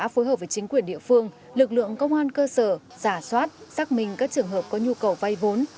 phối hợp với chính quyền địa phương lực lượng công an cơ sở giả soát xác minh các trường hợp có nhu cầu vay vốn